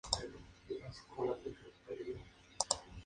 Jan trabaja como ingeniero Senior de software libre en Novell.